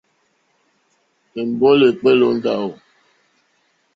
Èmbólì èkpéélì ó ndáwò.